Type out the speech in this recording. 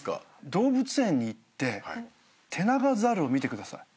動物園に行ってテナガザルを見てください。